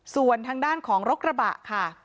ส่วนทางด้านของรถกระบะค่ะ